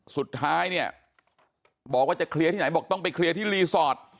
สุดท้ายเนี่ยบอกว่าจะเคลียร์ที่ไหนบอกต้องไปเคลียร์ที่รีสอร์ท